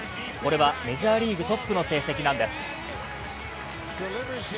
これはメジャーリーグトップの成績なんです。